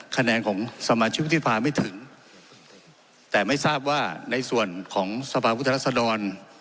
คะแนนของสมาชิกวุฒิภาไม่ถึงแต่ไม่ทราบว่าในส่วนของสภาพุทธรัศดร